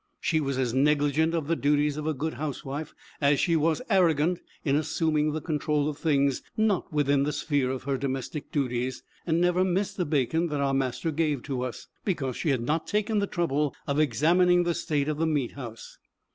She was as negligent of the duties of a good housewife, as she was arrogant in assuming the control of things not within the sphere of her domestic duties, and never missed the bacon that our master gave to us, because she had not taken the trouble of examining the state of the meat house.